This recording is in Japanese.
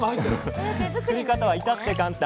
作り方は至って簡単。